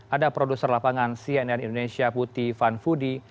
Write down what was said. ada produser lapangan cnn indonesia putih van fudi